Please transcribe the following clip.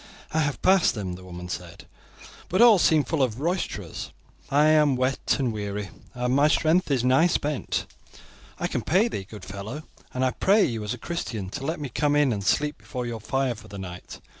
"I have passed them," the woman said, "but all seemed full of roisterers. I am wet and weary, and my strength is nigh spent. I can pay thee, good fellow, and I pray you as a Christian to let me come in and sleep before your fire for the night.